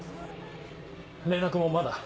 連絡もまだ。